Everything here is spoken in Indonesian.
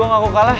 bangun dari cepet